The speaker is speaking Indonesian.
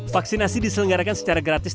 vaksinasi diselenggarakan secara gratis